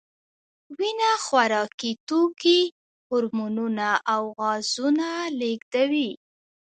وینه خوراکي توکي، هورمونونه او غازونه لېږدوي.